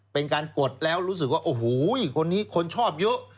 เป็นการกดแล้วรู้สึกว่าโอ้โหคนนี้คนชอบเยอะ